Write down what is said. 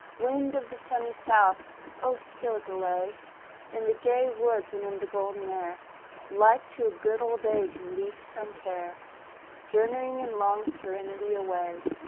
Wind of the sunny south! oh still delay In the gay woods and in the golden air, Like to a good old age released from care, Journeying, in long serenity, away.